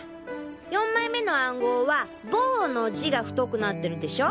４枚目の暗号は「ボウ」の字が太くなってるでしょ？